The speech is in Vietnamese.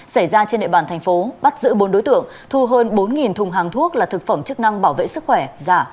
xảy ra trên địa bàn thành phố bắt giữ bốn đối tượng thu hơn bốn thùng hàng thuốc là thực phẩm chức năng bảo vệ sức khỏe giả